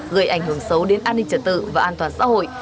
gây ảnh hưởng xấu đến an ninh trật tự và an toàn xã hội